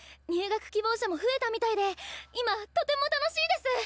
入学希望者も増えたみたいで今とても楽しいです！